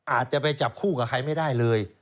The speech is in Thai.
อาจจะไปจับคู่กับใครไม่ได้เลย